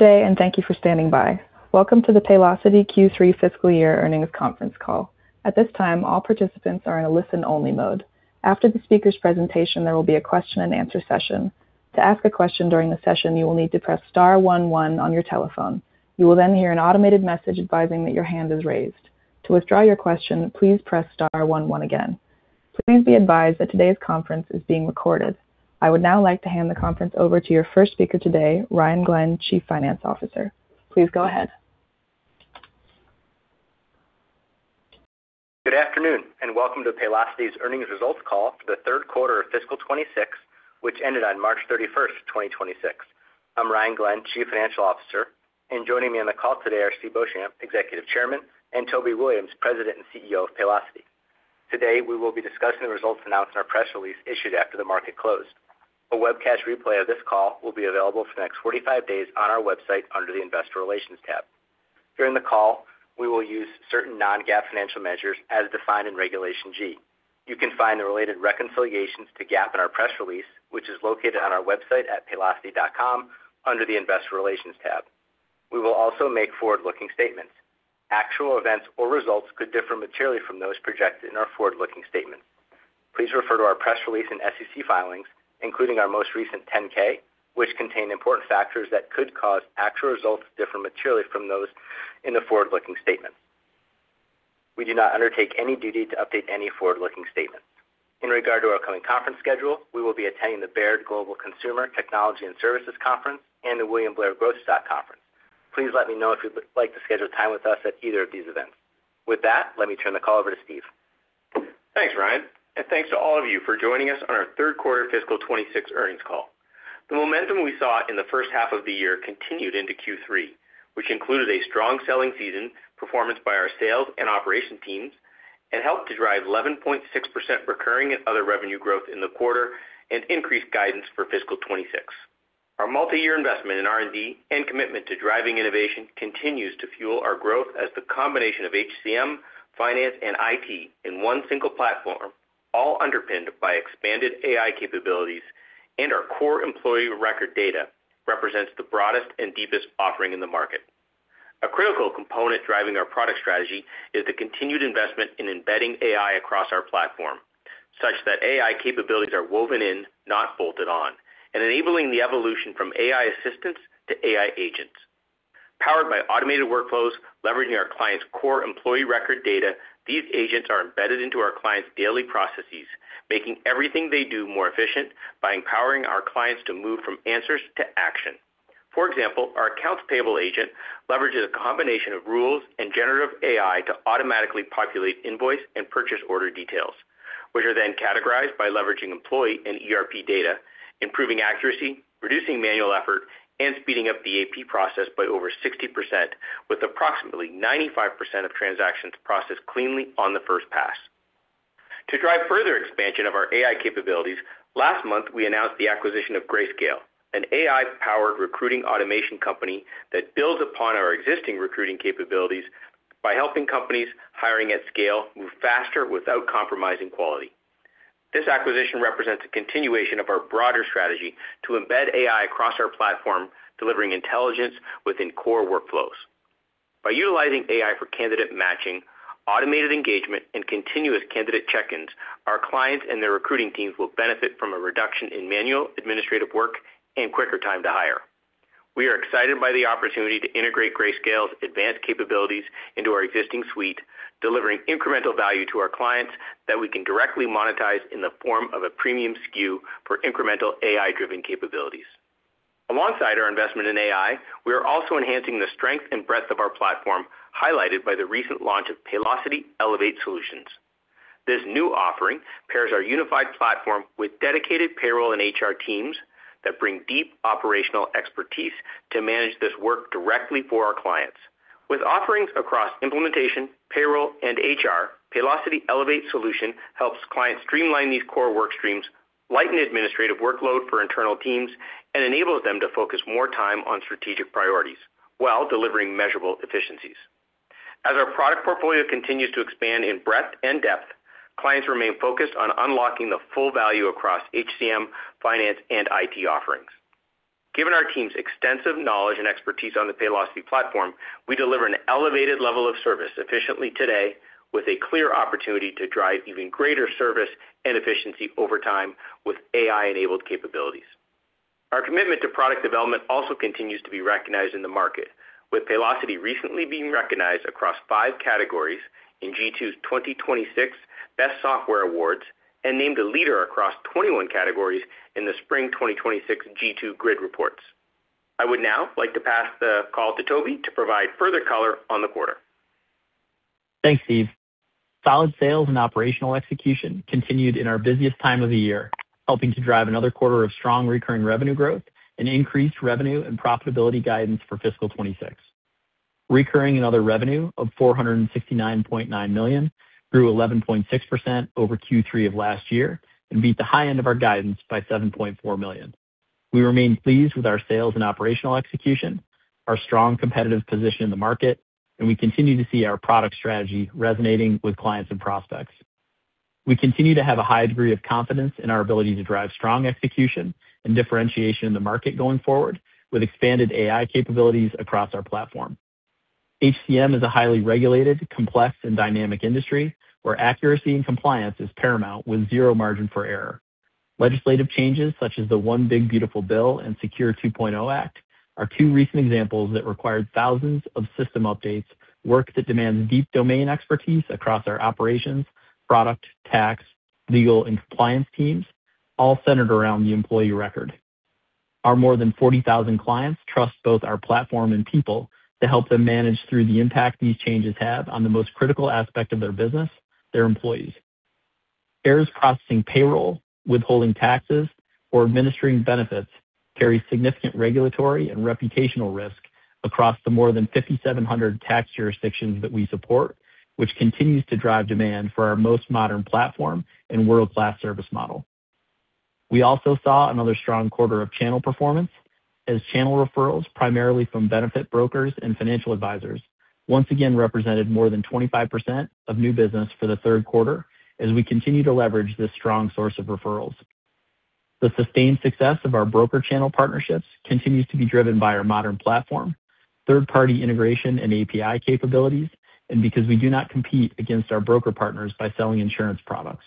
Good day and thank you for standing by. Welcome to the Paylocity Q3 fiscal year earnings conference call. At this time, all participants are in a listen-only mode. After the speaker's presentation, there will be a question-and-answer session. Please be advised that today's conference is being recorded. I would now like to hand the conference over to your first speaker today, Ryan Glenn, Chief Finance Officer. Please go ahead. Good afternoon, welcome to Paylocity's earnings results call for the 3rd quarter of fiscal 2026, which ended on March 31st, 2026. I'm Ryan Glenn, Chief Financial Officer, joining me on the call today are Steve Beauchamp, Executive Chairman, Toby Williams, President and CEO of Paylocity. Today, we will be discussing the results announced in our press release issued after the market closed. A webcast replay of this call will be available for the next 45 days on our website under the Investor Relations tab. During the call, we will use certain non-GAAP financial measures as defined in Regulation G. You can find the related reconciliations to GAAP in our press release, which is located on our website at paylocity.com under the Investor Relations tab. We will also make forward-looking statements. Actual events or results could differ materially from those projected in our forward-looking statements. Please refer to our press release and SEC filings, including our most recent 10-K, which contain important factors that could cause actual results to differ materially from those in the forward-looking statement. We do not undertake any duty to update any forward-looking statements. In regard to our upcoming conference schedule, we will be attending the Baird Global Consumer, Technology & Services Conference and the William Blair Growth Stock Conference. Please let me know if you would like to schedule time with us at either of these events. With that, let me turn the call over to Steve. Thanks, Ryan, thanks to all of you for joining us on our 3rd quarter fiscal 2026 earnings call. The momentum we saw in the first half of the year continued into Q3, which included a strong selling season performance by our sales and operation teams and helped to drive 11.6% recurring and other revenue growth in the quarter and increased guidance for fiscal 2026. Our multi-year investment in R&D and commitment to driving innovation continues to fuel our growth as the combination of Human Capital Management, Finance, and IT in one single platform, all underpinned by expanded AI capabilities and our core employee record data, represents the broadest and deepest offering in the market. A critical component driving our product strategy is the continued investment in embedding AI across our platform, such that AI capabilities are woven in, not bolted on, and enabling the evolution from AI Assistants to AI Agents. Powered by automated workflows, leveraging our clients' core employee record data, these agents are embedded into our clients' daily processes, making everything they do more efficient by empowering our clients to move from answers to action. For example, our accounts payable agent leverages a combination of rules and generative AI to automatically populate invoice and purchase order details, which are then categorized by leveraging employee and Enterprise Resource Planning data, improving accuracy, reducing manual effort, and speeding up the Accounts Payable process by over 60% with approximately 95% of transactions processed cleanly on the first pass. To drive further expansion of our AI capabilities, last month, we announced the acquisition of Grayscale, an AI-powered recruiting automation company that builds upon our existing recruiting capabilities by helping companies hiring at scale move faster without compromising quality. This acquisition represents a continuation of our broader strategy to embed AI across our platform, delivering intelligence within core workflows. By utilizing AI for candidate matching, automated engagement, and continuous candidate check-ins, our clients and their recruiting teams will benefit from a reduction of manual administrative work and quicker time to hire. We are excited by the opportunity to integrate Grayscale's advanced capabilities into our existing suite, delivering incremental value to our clients that we can directly monetize in the form of a premium SKU for incremental AI-driven capabilities. Alongside our investment in AI, we are also enhancing the strength and breadth of our platform, highlighted by the recent launch of Paylocity Elevate Solutions. This new offering pairs our unified platform with dedicated payroll and HR teams that bring deep operational expertise to manage this work directly for our clients. With offerings across implementation, payroll, and HR, Paylocity Elevate Solution helps clients streamline these core work streams, lighten administrative workload for internal teams, and enables them to focus more time on strategic priorities while delivering measurable efficiencies. As our product portfolio continues to expand in breadth and depth, clients remain focused on unlocking the full value across HCM, Finance, and IT offerings. Given our team's extensive knowledge and expertise on the Paylocity platform, we deliver an elevated level of service efficiently today with a clear opportunity to drive even greater service and efficiency over time with AI-enabled capabilities. Our commitment to product development also continues to be recognized in the market, with Paylocity recently being recognized across five categories in G2's 2026 Best Software Awards and named a leader across 21 categories in the spring 2026 G2 Grid reports. I would now like to pass the call to Toby to provide further color on the quarter. Thanks, Steve. Solid sales and operational execution continued in our busiest time of the year, helping to drive another quarter of strong recurring revenue growth and increased revenue and profitability guidance for fiscal 2026. Recurring and other revenue of $469.9 million grew 11.6% over Q3 of last year and beat the high end of our guidance by $7.4 million. We remain pleased with our sales and operational execution, our strong competitive position in the market, and we continue to see our product strategy resonating with clients and prospects. We continue to have a high degree of confidence in our ability to drive strong execution and differentiation in the market going forward with expanded AI capabilities across our platform. HCM is a highly regulated, complex, and dynamic industry where accuracy and compliance is paramount with zero margin for error. Legislative changes such as the One Big Beautiful Bill and Secure 2.0 Act are two recent examples that required thousands of system updates, work that demands deep domain expertise across our operations, product, tax, legal, and compliance teams, all centered around the employee record. Our more than 40,000 clients trust both our platform and people to help them manage through the impact these changes have on the most critical aspect of their business, their employees. Errors processing payroll, withholding taxes, or administering benefits carry significant regulatory and reputational risk across the more than 5,700 tax jurisdictions that we support, which continues to drive demand for our most modern platform and world-class service model. We also saw another strong quarter of channel performance as channel referrals, primarily from benefit brokers and financial advisors, once again represented more than 25% of new business for the 3rd quarter as we continue to leverage this strong source of referrals. The sustained success of our broker channel partnerships continues to be driven by our modern platform, third-party integration and API capabilities, and because we do not compete against our broker partners by selling insurance products.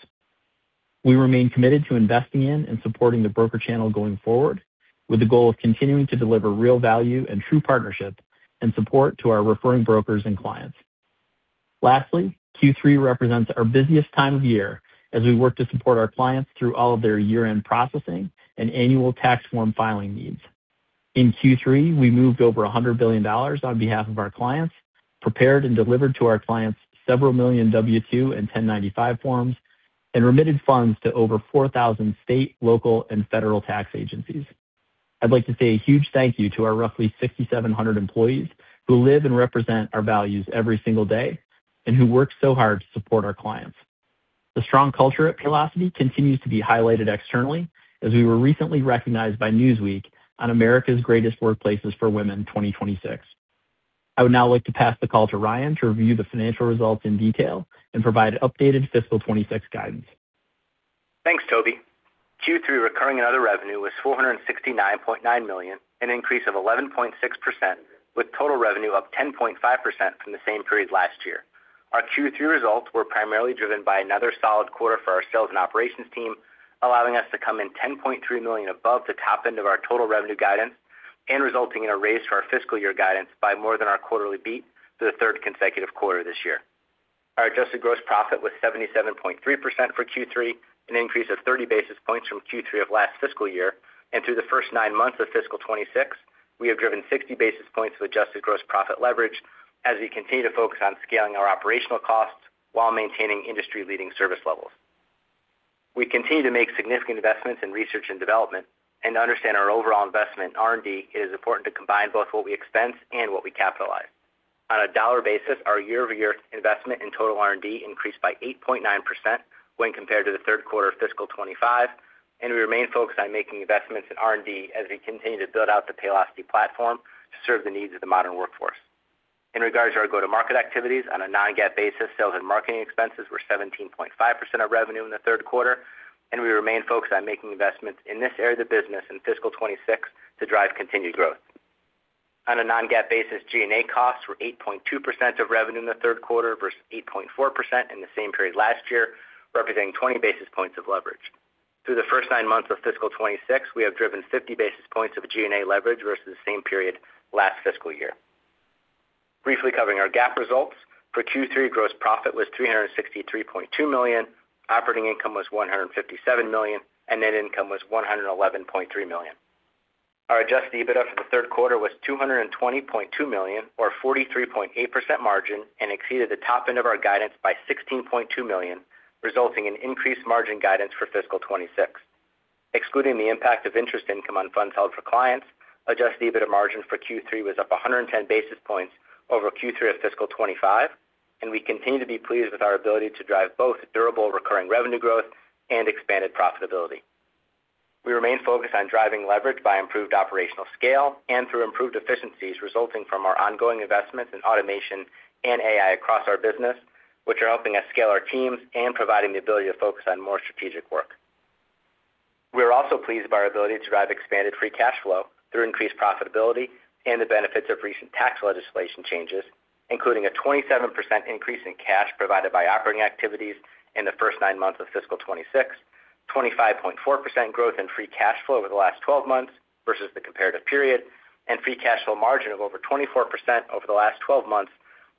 We remain committed to investing in and supporting the broker channel going forward with the goal of continuing to deliver real value and true partnership and support to our referring brokers and clients. Lastly, Q3 represents our busiest time of year as we work to support our clients through all of their year-end processing and annual tax form filing needs. In Q3, we moved over $100 billion on behalf of our clients, prepared and delivered to our clients several million W-2 and 1095 forms, and remitted funds to over 4,000 state, local, and federal tax agencies. I'd like to say a huge thank you to our roughly 6,700 employees who live and represent our values every single day and who work so hard to support our clients. The strong culture at Paylocity continues to be highlighted externally as we were recently recognized by Newsweek on America's Greatest Workplaces for Women 2026. I would now like to pass the call to Ryan to review the financial results in detail and provide updated fiscal 2026 guidance. Thanks, Toby. Q3 recurring net other revenue was $469.9 million, an increase of 11.6%, with total revenue up 10.5% from the same period last year. Our Q3 results were primarily driven by another solid quarter for our sales and operations team, allowing us to come in $10.3 million above the top end of our total revenue guidance and resulting in a raise for our fiscal year guidance by more than our quarterly beat for the third consecutive quarter this year. Our adjusted gross profit was 77.3% for Q3, an increase of 30 basis points from Q3 of last fiscal year. Through the first nine months of fiscal 2026, we have driven 60 basis points of adjusted gross profit leverage as we continue to focus on scaling our operational costs while maintaining industry-leading service levels. We continue to make significant investments in research and development. To understand our overall investment in R&D, it is important to combine both what we expense and what we capitalize. On a dollar basis, our year-over-year investment in total R&D increased by 8.9% when compared to the third quarter of fiscal 2025, and we remain focused on making investments in R&D as we continue to build out the Paylocity platform to serve the needs of the modern workforce. In regards to our go-to-market activities, on a non-GAAP basis, sales and marketing expenses were 17.5% of revenue in the third quarter, and we remain focused on making investments in this area of the business in fiscal 2026 to drive continued growth. On a non-GAAP basis, G&A costs were 8.2% of revenue in the third quarter versus 8.4% in the same period last year, representing 20 basis points of leverage. Through the first nine months of fiscal 2026, we have driven 50 basis points of G&A leverage versus the same period last fiscal year. Briefly covering our GAAP results. For Q3, gross profit was $363.2 million, operating income was $157 million, and net income was $111.3 million. Our Adjusted EBITDA for the third quarter was $220.2 million or 43.8% margin and exceeded the top end of our guidance by $16.2 million, resulting in increased margin guidance for fiscal 2026. Excluding the impact of interest income on funds held for clients, Adjusted EBITDA margin for Q3 was up 110 basis points over Q3 of fiscal 2025, and we continue to be pleased with our ability to drive both durable recurring revenue growth and expanded profitability. We remain focused on driving leverage by improved operational scale and through improved efficiencies resulting from our ongoing investments in Automation and AI across our business, which are helping us scale our teams and providing the ability to focus on more strategic work. We are also pleased by our ability to drive expanded free cash flow through increased profitability and the benefits of recent tax legislation changes, including a 27% increase in cash provided by operating activities in the first nine months of fiscal 2026, 25.4% growth in free cash flow over the last 12 months versus the comparative period, and free cash flow margin of over 24% over the last 12 months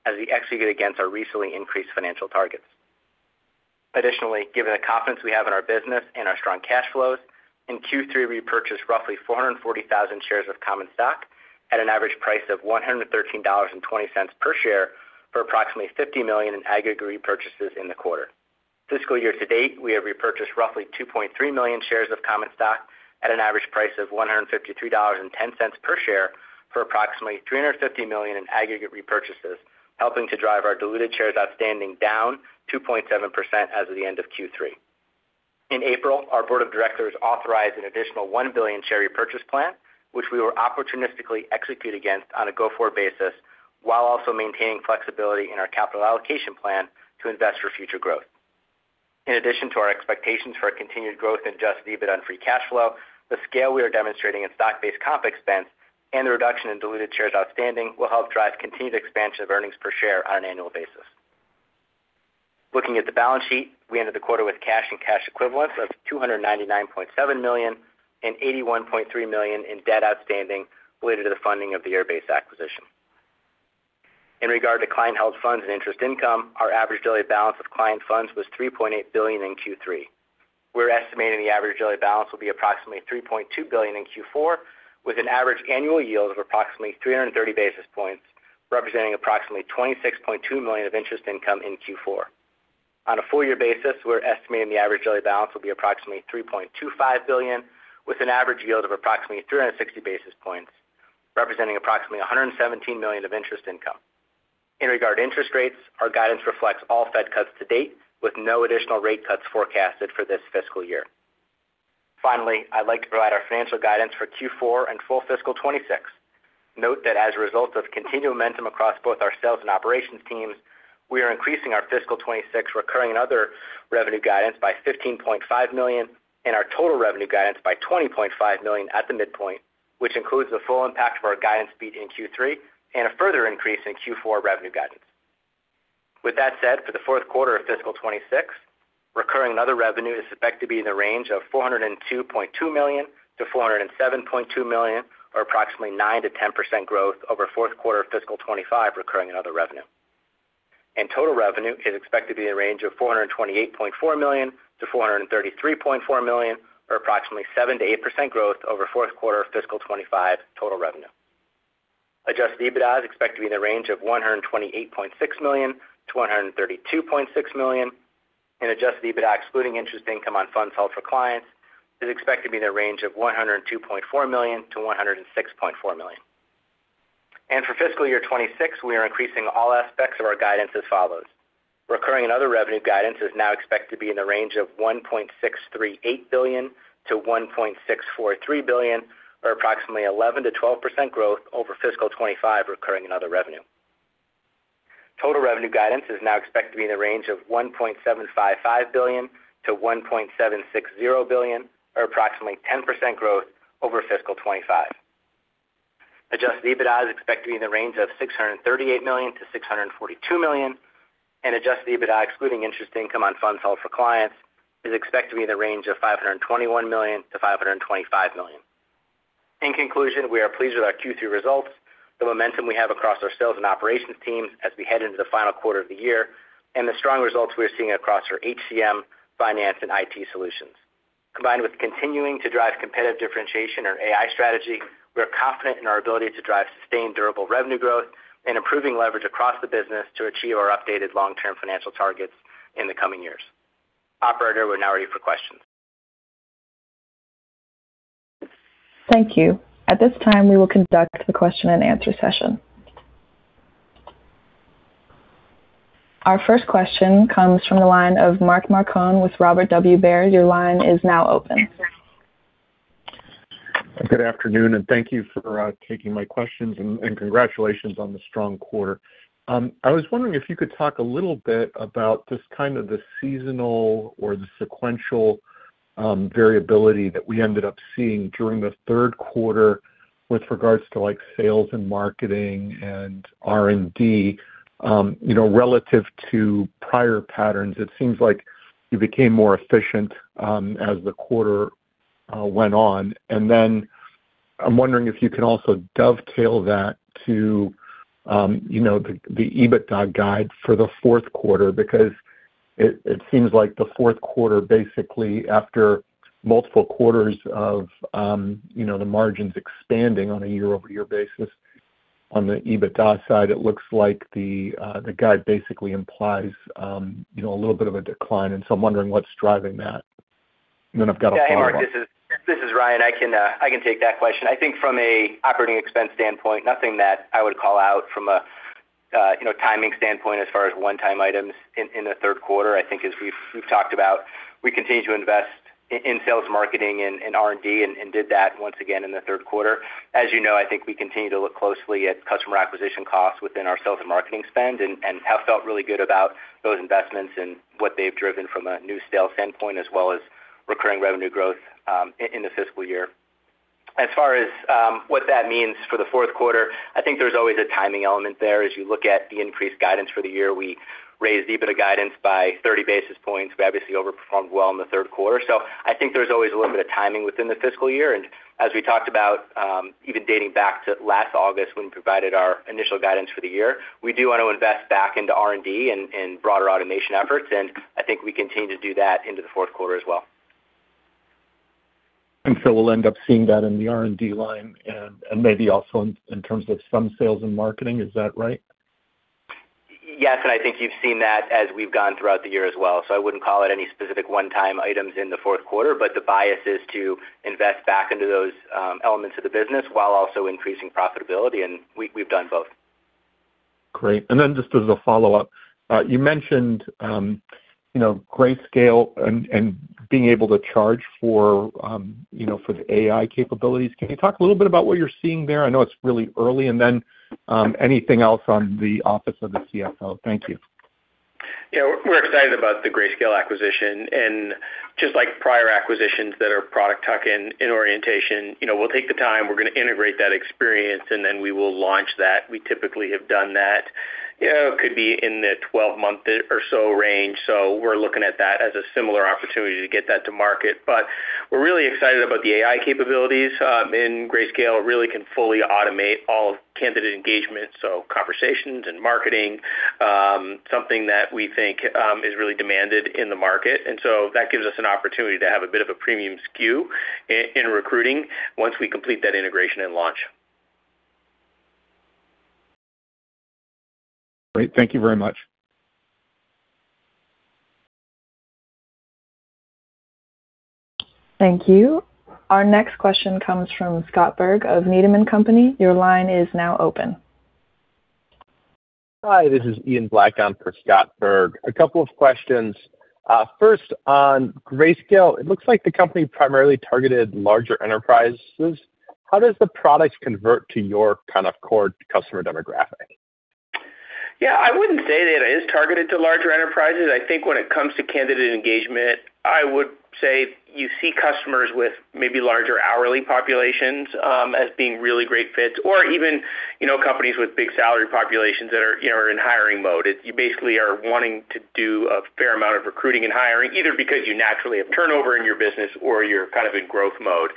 as we execute against our recently increased financial targets. Additionally, given the confidence we have in our business and our strong cash flows, in Q3, we repurchased roughly 440,000 shares of common stock at an average price of $113.20 per share for approximately $50 million in aggregate repurchases in the quarter. Fiscal year to date, we have repurchased roughly 2.3 million shares of common stock at an average price of $153.10 per share for approximately $350 million in aggregate repurchases, helping to drive our diluted shares outstanding down 2.7% as of the end of Q3. In April, our board of directors authorized an additional $1 billion share repurchase plan, which we will opportunistically execute against on a go-forward basis while also maintaining flexibility in our capital allocation plan to invest for future growth. In addition to our expectations for a continued growth in Adjusted EBITDA and free cash flow, the scale we are demonstrating in stock-based comp expense and the reduction in diluted shares outstanding will help drive continued expansion of earnings per share on an annual basis. Looking at the balance sheet, we ended the quarter with cash and cash equivalents of $299.7 million and $81.3 million in debt outstanding related to the funding of the Airbase acquisition. In regard to client held funds and interest income, our average daily balance of client funds was $3.8 billion in Q3. We're estimating the average daily balance will be approximately $3.2 billion in Q4, with an average annual yield of approximately 330 basis points, representing approximately $26.2 million of interest income in Q4. On a full year basis, we're estimating the average daily balance will be approximately $3.25 billion, with an average yield of approximately 360 basis points, representing approximately $117 million of interest income. In regard to interest rates, our guidance reflects all Fed cuts to date, with no additional rate cuts forecasted for this fiscal year. Finally, I'd like to provide our financial guidance for Q4 and full fiscal 2026. Note that as a result of continued momentum across both our sales and operations teams, we are increasing our fiscal 2026 recurring and other revenue guidance by $15.5 million and our total revenue guidance by $20.5 million at the midpoint, which includes the full impact of our guidance beat in Q3 and a further increase in Q4 revenue guidance. With that said, for the fourth quarter of fiscal 2026, recurring and other revenue is expected to be in the range of $402.2 million-$407.2 million, or approximately 9%-10% growth over fourth quarter fiscal 2025 recurring and other revenue. Total revenue is expected to be in the range of $428.4 million-$433.4 million, or approximately 7%-8% growth over fourth quarter fiscal 2025 total revenue. Adjusted EBITDA is expected to be in the range of $128.6 million-$132.6 million, and Adjusted EBITDA ex float is expected to be in the range of $102.4 million-$106.4 million. For fiscal year 2026, we are increasing all aspects of our guidance as follows. Recurring and other revenue guidance is now expected to be in the range of $1.638 billion-$1.643 billion, or approximately 11% to 12% growth over fiscal 2025 recurring and other revenue. Total revenue guidance is now expected to be in the range of $1.755 billion-$1.760 billion, or approximately 10% growth over fiscal 2025. Adjusted EBITDA is expected to be in the range of $638 million-$642 million. Adjusted EBITDA excluding interest income on funds held for clients is expected to be in the range of $521 million-$525 million. In conclusion, we are pleased with our Q3 results, the momentum we have across our sales and operations teams as we head into the final quarter of the year, and the strong results we are seeing across our HCM, Finance, and IT solutions. Combined with continuing to drive competitive differentiation in our AI strategy, we are confident in our ability to drive sustained durable revenue growth and improving leverage across the business to achieve our updated long-term financial targets in the coming years. Operator, we're now ready for questions. Thank you. At this time, we will conduct the question-and-answer session. Our first question comes from the line of Mark Marcon with Robert W. Baird. Your line is now open. Good afternoon. Thank you for taking my questions, and congratulations on the strong quarter. I was wondering if you could talk a little bit about just kind of the seasonal or the sequential variability that we ended up seeing during the third quarter with regards to, like, sales and marketing and R&D. You know, relative to prior patterns, it seems like you became more efficient as the quarter went on. I'm wondering if you can also dovetail that to, you know, the EBITDA guide for the fourth quarter, because it seems like the fourth quarter, basically after multiple quarters of, you know, the margins expanding on a year-over-year basis on the EBITDA side, it looks like the guide basically implies, you know, a little bit of a decline. I'm wondering what's driving that. I've got a follow-up. Hey, Mark, this is Ryan. I can take that question. I think from an operating expense standpoint, nothing that I would call out from a, you know, timing standpoint as far as one-time items in the third quarter. I think as we've talked about, we continue to invest in sales marketing and R&D and did that once again in the third quarter. As you know, I think we continue to look closely at customer acquisition costs within our sales and marketing spend and have felt really good about those investments and what they've driven from a new sales standpoint as well as recurring revenue growth in the fiscal year. As far as what that means for the fourth quarter, I think there's always a timing element there. As you look at the increased guidance for the year, we raised EBITDA guidance by 30 basis points. We obviously overperformed well in the third quarter. I think there's always a little bit of timing within the fiscal year. As we talked about, even dating back to last August when we provided our initial guidance for the year, we do want to invest back into R&D and broader automation efforts, and I think we continue to do that into the fourth quarter as well. We'll end up seeing that in the R&D line and maybe also in terms of some sales and marketing. Is that right? Yes, I think you've seen that as we've gone throughout the year as well. I wouldn't call it any specific one-time items in the fourth quarter, but the bias is to invest back into those elements of the business while also increasing profitability, we've done both. Great. Just as a follow-up, you mentioned, you know, Grayscale and being able to charge for, you know, for the AI capabilities. Can you talk a little bit about what you're seeing there? I know it's really early. Anything else on the office of the CFO. Thank you. Yeah. We're excited about the Grayscale acquisition. Just like prior acquisitions that are product tuck-in in orientation, you know, we'll take the time, we're gonna integrate that experience, and then we will launch that. We typically have done that, you know, could be in the 12-month or so range. We're looking at that as a similar opportunity to get that to market. We're really excited about the AI capabilities, and Grayscale really can fully automate all candidate engagement, so conversations and marketing, something that we think is really demanded in the market. That gives us an opportunity to have a bit of a premium SKU in recruiting once we complete that integration and launch. Great. Thank you very much. Thank you. Our next question comes from Scott Berg of Needham & Company. Your line is now open. Hi, this is Ian Black on for Scott Berg. A couple of questions. First, on Grayscale, it looks like the company primarily targeted larger enterprises. How does the product convert to your kind of core customer demographic? Yeah. I wouldn't say that it is targeted to larger enterprises. I think when it comes to candidate engagement, I would say you see customers with maybe larger hourly populations, as being really great fits or even, you know, companies with big salary populations that are, you know, are in hiring mode. You basically are wanting to do a fair amount of recruiting and hiring, either because you naturally have turnover in your business or you're kind of in growth mode.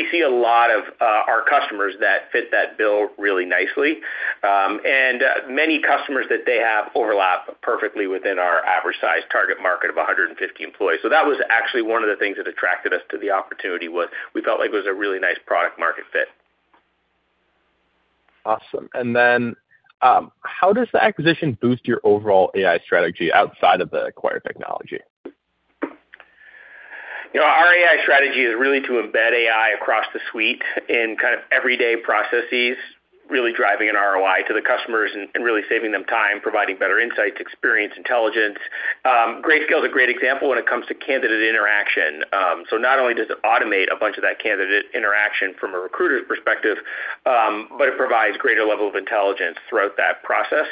We see a lot of our customers that fit that bill really nicely. Many customers that they have overlap perfectly within our average size target market of 150 employees. That was actually one of the things that attracted us to the opportunity, was we felt like it was a really nice product market fit. Awesome. Then, how does the acquisition boost your overall AI strategy outside of the acquired technology? You know, our AI strategy is really to embed AI across the suite in kind of everyday processes, really driving an ROI to the customers and really saving them time, providing better insights, experience, intelligence. Grayscale is a great example when it comes to candidate interaction. Not only does it automate a bunch of that candidate interaction from a recruiter's perspective, but it provides greater level of intelligence throughout that process.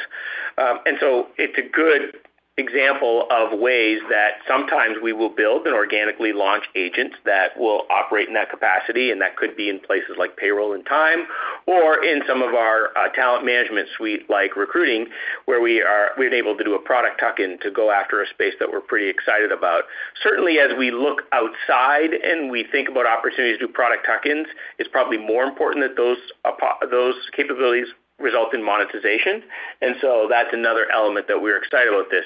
It's a good example of ways that sometimes we will build and organically launch agents that will operate in that capacity, and that could be in places like payroll and time or in some of our talent management suite like recruiting, where we're able to do a product tuck-in to go after a space that we're pretty excited about. Certainly, as we look outside and we think about opportunities to do product tuck-ins, it's probably more important that those capabilities result in monetization. That's another element that we're excited about this.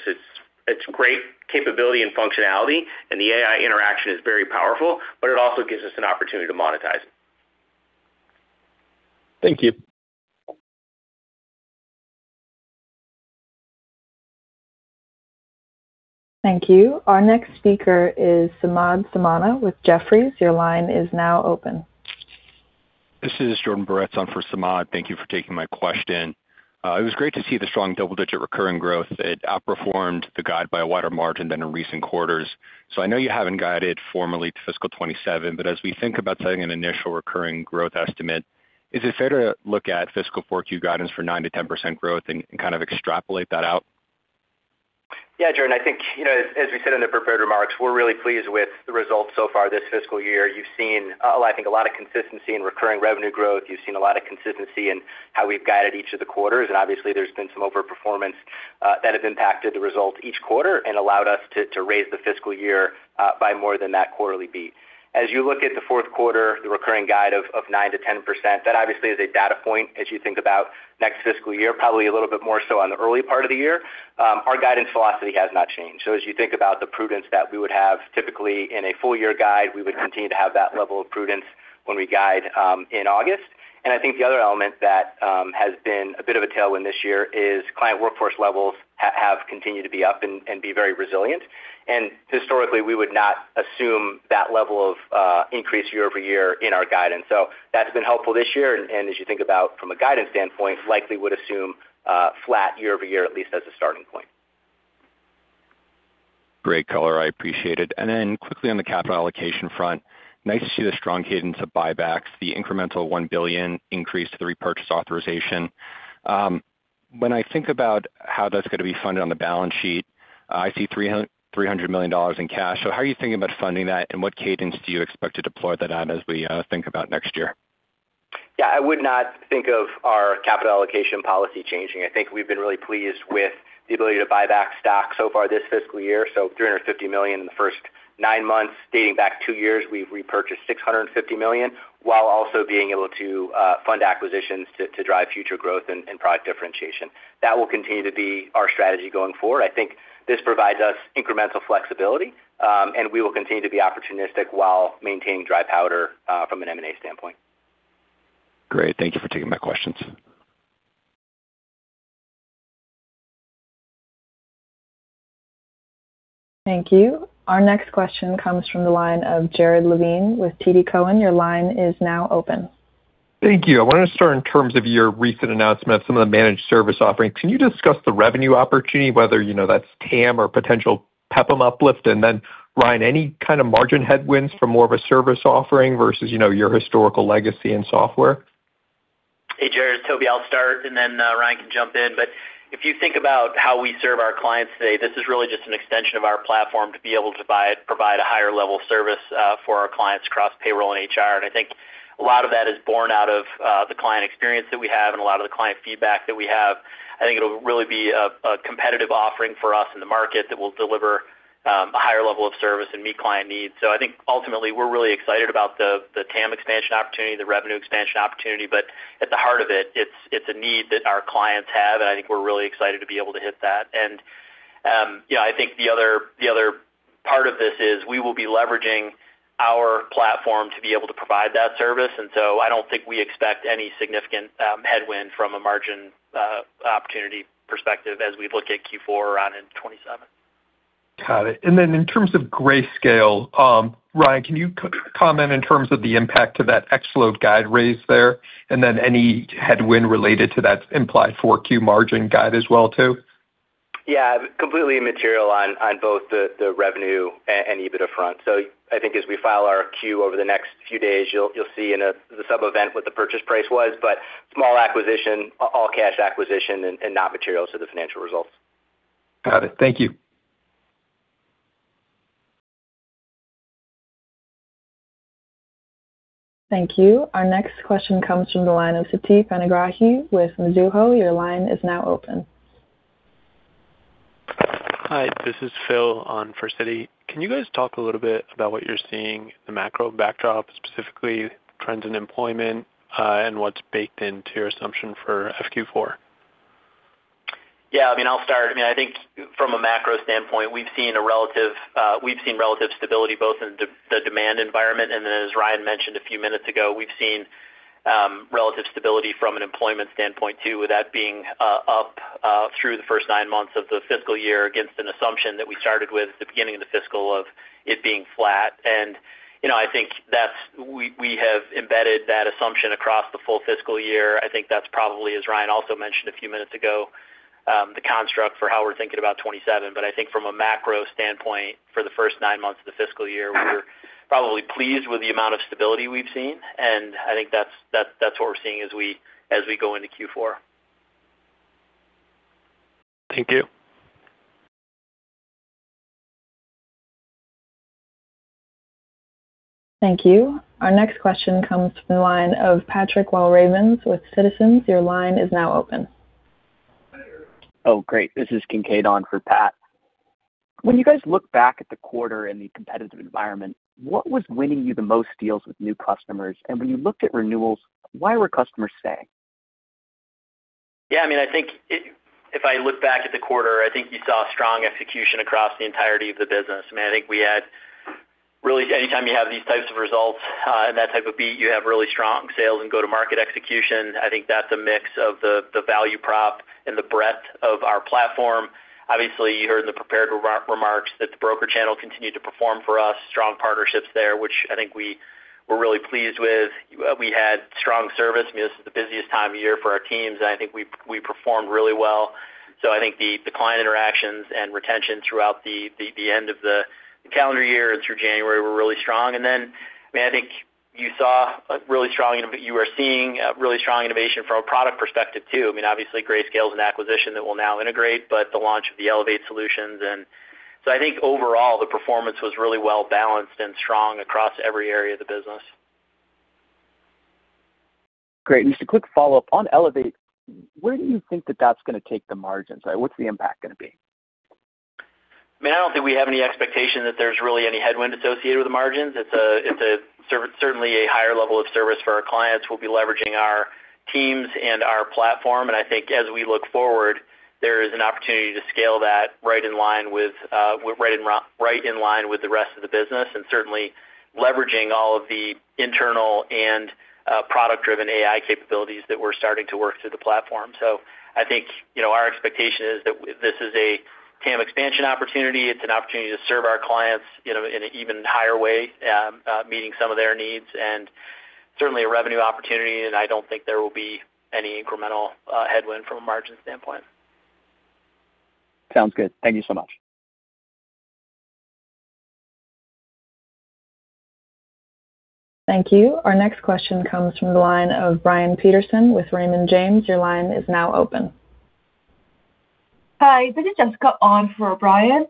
It's great capability and functionality, and the AI interaction is very powerful, but it also gives us an opportunity to monetize. Thank you. Thank you. Our next speaker is Samad Samana with Jefferies. Your line is now open. This is Jordan Boretz on for Samad. Thank you for taking my question. It was great to see the strong double-digit recurring growth. It outperformed the guide by a wider margin than in recent quarters. I know you haven't guided formally to fiscal 2027, but as we think about setting an initial recurring growth estimate, is it fair to look at fiscal 4Q guidance for 9%-10% growth and kind of extrapolate that out? Jordan Boretz, I think, you know, as we said in the prepared remarks, we're really pleased with the results so far this fiscal year. You've seen, I think a lot of consistency in recurring revenue growth. You've seen a lot of consistency in how we've guided each of the quarters, and obviously there's been some overperformance that has impacted the results each quarter and allowed us to raise the fiscal year by more than that quarterly beat. As you look at the fourth quarter, the recurring guide of 9%-10%, that obviously is a data point as you think about next fiscal year, probably a little bit more so on the early part of the year. Our guidance velocity has not changed. As you think about the prudence that we would have typically in a full-year guide, we would continue to have that level of prudence when we guide in August. I think the other element that has been a bit of a tailwind this year is client workforce levels have continued to be up and be very resilient. Historically, we would not assume that level of increase year-over-year in our guidance. That's been helpful this year, and as you think about from a guidance standpoint, likely would assume flat year-over-year, at least as a starting point. Great color. I appreciate it. Quickly on the capital allocation front. Nice to see the strong cadence of buybacks, the incremental $1 billion increase to the repurchase authorization. When I think about how that's gonna be funded on the balance sheet, I see $300 million in cash. How are you thinking about funding that, and what cadence do you expect to deploy that out as we think about next year? Yeah. I would not think of our capital allocation policy changing. I think we've been really pleased with the ability to buy back stock so far this fiscal year, so $350 million in the first nine months. Dating back two years, we've repurchased $650 million, while also being able to fund acquisitions to drive future growth and product differentiation. That will continue to be our strategy going forward. I think this provides us incremental flexibility, and we will continue to be opportunistic while maintaining dry powder from an M&A standpoint. Great. Thank you for taking my questions. Thank you. Our next question comes from the line of Jared Levine with TD Cowen. Your line is now open. Thank you. I wanted to start in terms of your recent announcement, some of the managed service offerings. Can you discuss the revenue opportunity, whether, you know, that's Total Addressable Market or potential Per Employee Per Month uplift? Ryan, any kind of margin headwinds for more of a service offering versus, you know, your historical legacy in software? Hey, Jared. Toby, I'll start, and then Ryan can jump in. If you think about how we serve our clients today, this is really just an extension of our platform to be able to provide a higher level service for our clients across payroll and HR. I think a lot of that is born out of the client experience that we have and a lot of the client feedback that we have. I think it'll really be a competitive offering for us in the market that will deliver a higher level of service and meet client needs. I think ultimately, we're really excited about the TAM expansion opportunity, the revenue expansion opportunity, but at the heart of it's a need that our clients have, and I think we're really excited to be able to hit that. You know, I think the other part of this is we will be leveraging our platform to be able to provide that service. I don't think we expect any significant headwind from a margin opportunity perspective as we look at Q4 around in 2027. Got it. In terms of Grayscale, Ryan, can you comment in terms of the impact to that ex float guide raise there? Any headwind related to that implied 4Q margin guide as well too? Yeah, completely immaterial on both the revenue and EBITDA front. I think as we file our 10-Q over the next few days, you'll see in the subsequent event what the purchase price was, small acquisition, all cash acquisition and not material to the financial results. Got it. Thank you. Thank you. Our next question comes from the line of Siti Panigrahi with Mizuho. Your line is now open. Hi, this is Phil on for Siti Panigrahi. Can you guys talk a little bit about what you're seeing the macro backdrop, specifically trends in employment, and what's baked into your assumption for FQ4? Yeah, I mean, I'll start. I mean, I think from a macro standpoint, we've seen a relative, we've seen relative stability both in the demand environment. As Ryan mentioned a few minutes ago, we've seen relative stability from an employment standpoint too, with that being up through the first nine months of the fiscal year against an assumption that we started with at the beginning of the fiscal of it being flat. You know, I think we have embedded that assumption across the full fiscal year. I think that's probably, as Ryan also mentioned a few minutes ago, the construct for how we're thinking about 2027. I think from a macro standpoint, for the first nine months of the fiscal year, we're probably pleased with the amount of stability we've seen, and I think that's what we're seeing as we go into Q4. Thank you. Thank you. Our next question comes from the line of Patrick Walravens with Citizens JMP. Your line is now open. Oh, great. This is Kincaid on for Pat. When you guys look back at the quarter and the competitive environment, what was winning you the most deals with new customers? When you looked at renewals, why were customers staying? Yeah, I mean, I think if I look back at the quarter, I think you saw strong execution across the entirety of the business. I mean, I think we had Really, anytime you have these types of results, and that type of beat, you have really strong sales and go-to-market execution. I think that's a mix of the value prop and the breadth of our platform. Obviously, you heard in the prepared remarks that the broker channel continued to perform for us, strong partnerships there, which I think we were really pleased with. We had strong service. I mean, this is the busiest time of year for our teams, and I think we performed really well. I think the client interactions and retention throughout the end of the calendar year and through January were really strong. I mean, I think you saw a really strong innovation from a product perspective too. I mean, obviously, Grayscale is an acquisition that will now integrate, but the launch of the Paylocity Elevate Solutions. I think overall, the performance was really well balanced and strong across every area of the business. Just a quick follow-up. On Elevate, where do you think that that's going to take the margins? Like, what's the impact going to be? I mean, I don't think we have any expectation that there's really any headwind associated with the margins. It's a certainly a higher level of service for our clients. We'll be leveraging our teams and our platform, and I think as we look forward, there is an opportunity to scale that right in line with the rest of the business, and certainly leveraging all of the internal and product-driven AI capabilities that we're starting to work through the platform. I think, you know, our expectation is that this is a TAM expansion opportunity. It's an opportunity to serve our clients, you know, in an even higher way, meeting some of their needs, and certainly a revenue opportunity, and I don't think there will be any incremental headwind from a margin standpoint. Sounds good. Thank you so much. Thank you. Our next question comes from the line of Brian Peterson with Raymond James. Your line is now open. Hi, this is Jessica on for Brian.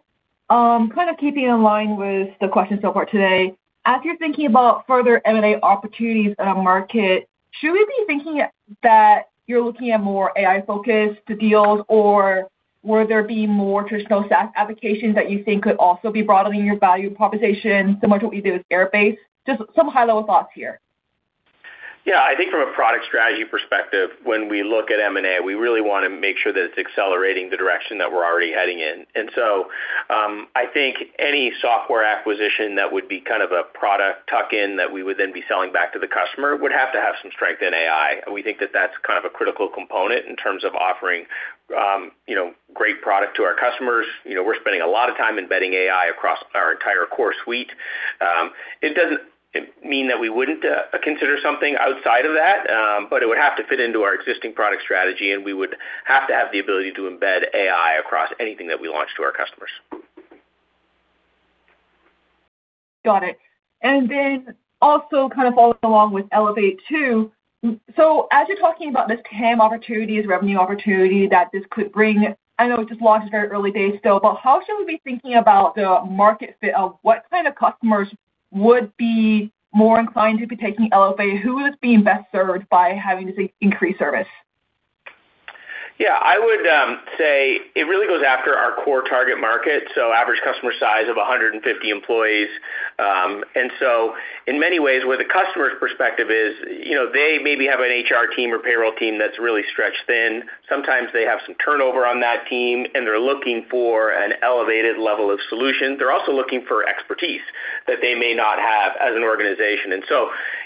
Kind of keeping in line with the question so far today, as you're thinking about further M&A opportunities in our market, should we be thinking that you're looking at more AI-focused deals, or will there be more traditional SaaS applications that you think could also be broadening your value proposition, similar to what you did with Airbase? Just some high-level thoughts here. Yeah. I think from a product strategy perspective, when we look at M&A, we really wanna make sure that it's accelerating the direction that we're already heading in. I think any software acquisition that would be kind of a product tuck-in that we would then be selling back to the customer would have to have some strength in AI. We think that that's kind of a critical component in terms of offering. You know, great product to our customers. You know, we're spending a lot of time embedding AI across our entire core suite. It doesn't mean that we wouldn't consider something outside of that, but it would have to fit into our existing product strategy, and we would have to have the ability to embed AI across anything that we launch to our customers. Got it. Also kind of following along with Elevate, too. As you're talking about this TAM opportunity, this revenue opportunity that this could bring, I know it just launched, it's very early days still, but how should we be thinking about the market fit of what kind of customers would be more inclined to be taking Elevate? Who is being best served by having this increased service? Yeah, I would say it really goes after our core target market, so average customer size of 150 employees. In many ways, where the customer's perspective is, you know, they maybe have an HR team or payroll team that's really stretched thin. Sometimes they have some turnover on that team, and they're looking for an elevated level of solution. They're also looking for expertise that they may not have as an organization.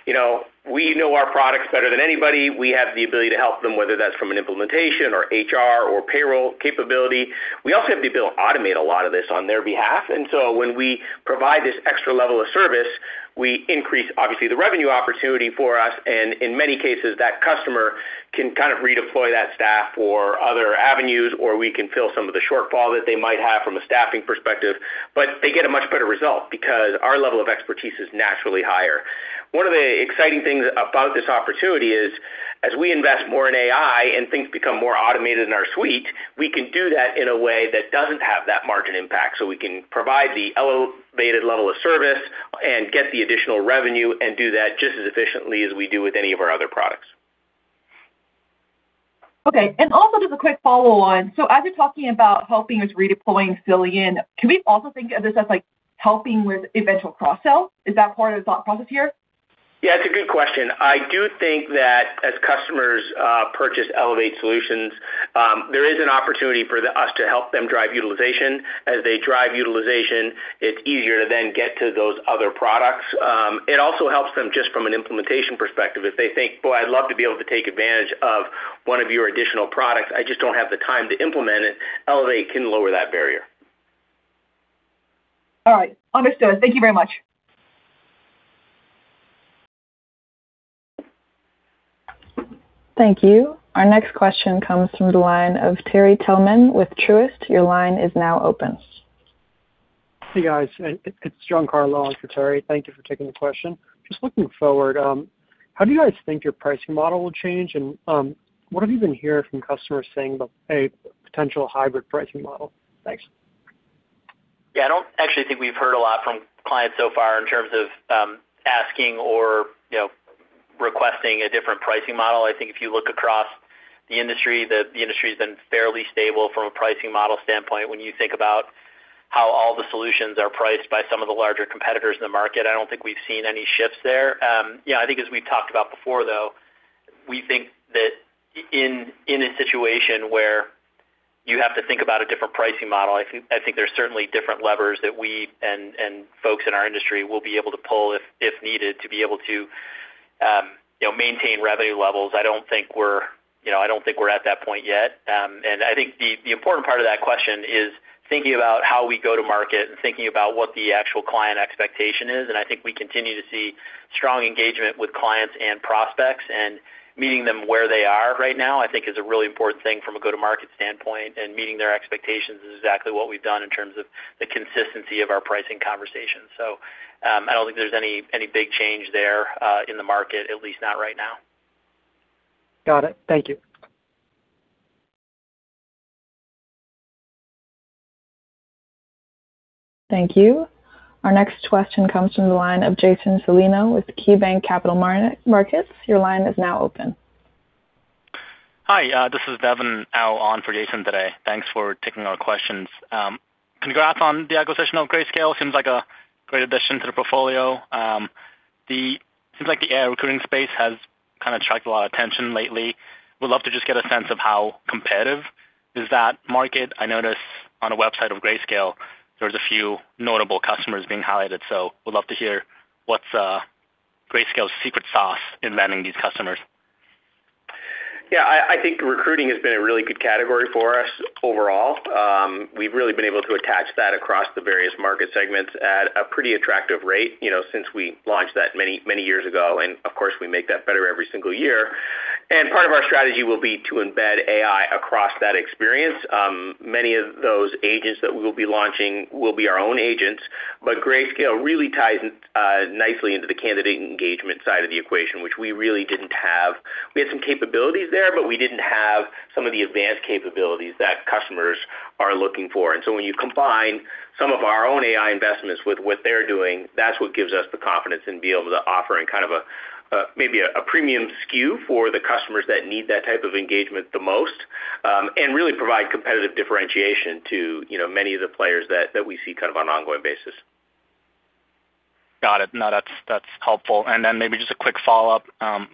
You know, we know our products better than anybody. We have the ability to help them, whether that's from an implementation or HR or payroll capability. We also have the ability to automate a lot of this on their behalf. When we provide this extra level of service, we increase obviously the revenue opportunity for us, and in many cases, that customer can kind of redeploy that staff for other avenues, or we can fill some of the shortfall that they might have from a staffing perspective. They get a much better result because our level of expertise is naturally higher. One of the exciting things about this opportunity is, as we invest more in AI and things become more automated in our suite, we can do that in a way that doesn't have that margin impact. We can provide the elevated level of service and get the additional revenue and do that just as efficiently as we do with any of our other products. Okay. Also just a quick follow on. As you're talking about helping with redeploying, filling in, can we also think of this as, like, helping with eventual cross-sell? Is that part of the thought process here? It's a good question. I do think that as customers purchase Elevate Solutions, there is an opportunity for us to help them drive utilization. As they drive utilization, it's easier to then get to those other products. It also helps them just from an implementation perspective. If they think, "Boy, I'd love to be able to take advantage of one of your additional products, I just don't have the time to implement it," Elevate can lower that barrier. All right. Understood. Thank you very much. Thank you. Our next question comes from the line of Terry Tillman with Truist Securities. Your line is now open. Hey, guys. It's John Carlo on for Terry. Thank you for taking the question. Just looking forward, how do you guys think your pricing model will change? What have you been hearing from customers saying about a potential hybrid pricing model? Thanks. I don't actually think we've heard a lot from clients so far in terms of asking or, you know, requesting a different pricing model. If you look across the industry, the industry's been fairly stable from a pricing model standpoint. When you think about how all the solutions are priced by some of the larger competitors in the market, I don't think we've seen any shifts there. As we've talked about before, though, we think that in a situation where you have to think about a different pricing model, I think there's certainly different levers that we and folks in our industry will be able to pull if needed to be able to, you know, maintain revenue levels. I don't think we're, you know, I don't think we're at that point yet. I think the important part of that question is thinking about how we go-to-market and thinking about what the actual client expectation is, and I think we continue to see strong engagement with clients and prospects. Meeting them where they are right now, I think is a really important thing from a go-to-market standpoint, and meeting their expectations is exactly what we've done in terms of the consistency of our pricing conversations. I don't think there's any big change there in the market, at least not right now. Got it. Thank you. Thank you. Our next question comes from the line of Jason Celino with KeyBanc Capital Markets. Your line is now open. Hi, this is Devin Au on for Jason today. Thanks for taking our questions. Congrats on the acquisition of Grayscale. Seems like a great addition to the portfolio. Seems like the recruiting space has kinda attracted a lot of attention lately. Would love to just get a sense of how competitive is that market. I notice on the website of Grayscale, there's a few notable customers being highlighted, so would love to hear what's Grayscale's secret sauce in landing these customers. I think recruiting has been a really good category for us overall. We've really been able to attach that across the various market segments at a pretty attractive rate, you know, since we launched that many years ago, and of course, we make that better every single year. Part of our strategy will be to embed AI across that experience. Many of those agents that we will be launching will be our own agents. Grayscale really ties nicely into the candidate engagement side of the equation, which we really didn't have. We had some capabilities there, but we didn't have some of the advanced capabilities that customers are looking for. When you combine some of our own AI investments with what they're doing, that's what gives us the confidence in being able to offer in kind of a maybe a premium SKU for the customers that need that type of engagement the most, and really provide competitive differentiation to, you know, many of the players that we see kind of on an ongoing basis. Got it. No, that's helpful. Maybe just a quick follow-up,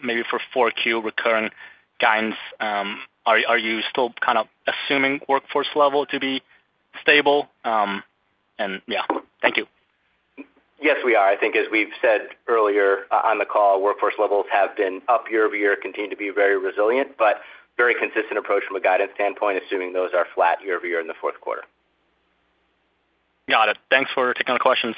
maybe for 4Q recurring guidance. Are you still kind of assuming workforce level to be stable? Thank you. Yes, we are. I think as we've said earlier on the call, workforce levels have been up year-over-year, continue to be very resilient, but very consistent approach from a guidance standpoint, assuming those are flat year-over-year in the fourth quarter. Got it. Thanks for taking the questions.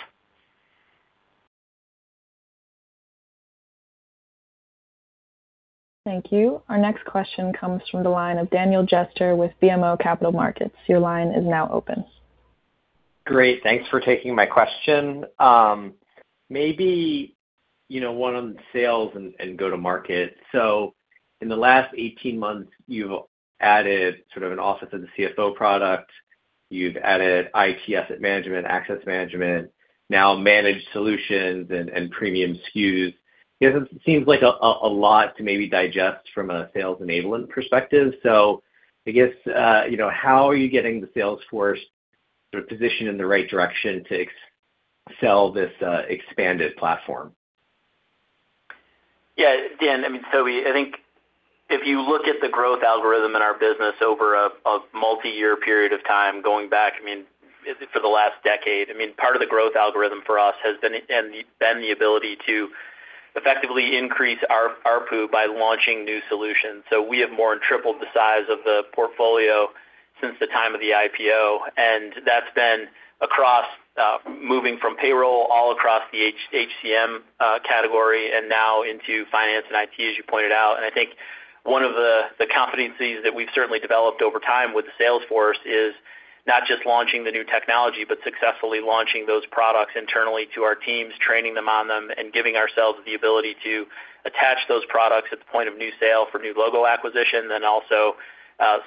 Thank you. Our next question comes from the line of Daniel Jester with BMO Capital Markets. Your line is now open. Great. Thanks for taking my question. You know, one on sales and go-to-market. In the last 18 months, you've added sort of an office of the CFO product. You've added IT Asset Management, Access Management, now managed solutions and premium SKUs. I guess it seems like a lot to maybe digest from a sales enablement perspective. I guess, you know, how are you getting the sales force sort of positioned in the right direction to ex-sell this expanded platform? Yeah. Dan, I'm Toby, I think if you look at the growth algorithm in our business over a multi-year period of time going back, I mean, for the last decade, I mean, part of the growth algorithm for us has been the ability to effectively increase our Average Revenue Per Unit by launching new solutions. We have more than tripled the size of the portfolio since the time of the IPO, and that's been across moving from payroll all across the HCM category and now into Finance and IT, as you pointed out. I think one of the competencies that we've certainly developed over time with the sales force is not just launching the new technology, but successfully launching those products internally to our teams, training them on them, and giving ourselves the ability to attach those products at the point of new sale for new logo acquisition, then also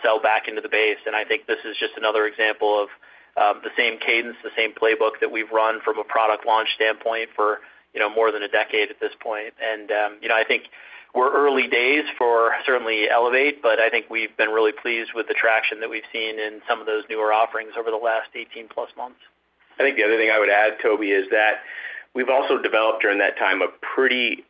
sell back into the base. I think this is just another example of the same cadence, the same playbook that we've run from a product launch standpoint for, you know, more than a decade at this point. I think we're early days for certainly Elevate, but I think we've been really pleased with the traction that we've seen in some of those newer offerings over the last 18+ months. I think the other thing I would add, Toby, is that we've also developed during that time a pretty